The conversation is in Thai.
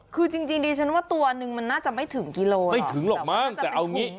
คือจริงจริงดิฉันว่าตัวนึงมันน่าจะไม่ถึงกิโลไม่ถึงหรอกมั้งแต่เอางี้